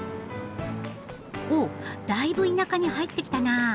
おおだいぶ田舎に入ってきたなあ。